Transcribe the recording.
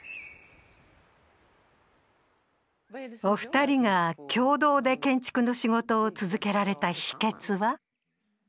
お二人が共同で建築の仕事を続けられた秘けつは？